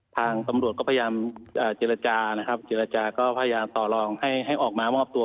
ทางตำรวจก็พยายามเจรจานะครับเจรจาก็พยายามต่อลองให้ออกมามอบตัว